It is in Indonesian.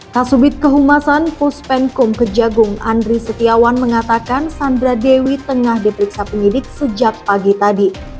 kasubit kehumasan puspenkum kejagung andri setiawan mengatakan sandra dewi tengah diperiksa penyidik sejak pagi tadi